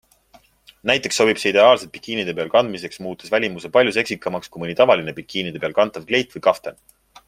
Näiteks sobib see ideaalselt bikiinide peal kandmiseks, muutes välimuse palju seksikamaks kui mõni tavaline bikiinide peal kantav kleit või kaftan.